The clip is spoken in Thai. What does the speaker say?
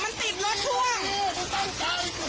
มันติดรถท่วงมันติดรถท่วง